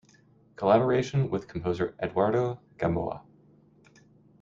Collaboration with composer Eduardo Gamboa.